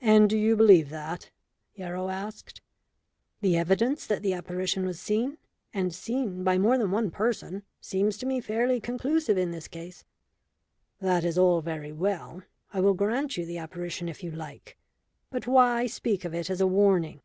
"And do you believe that?" Yarrow asked. "The evidence that the apparition was seen and seen by more than one person seems to me fairly conclusive in this case." "That is all very well. I will grant you the apparition if you like. But why speak of it as a warning?